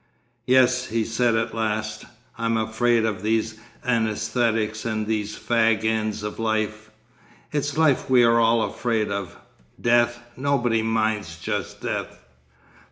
'Yes,' he said at last, 'I am afraid of these anæsthetics and these fag ends of life. It's life we are all afraid of. Death!—nobody minds just death.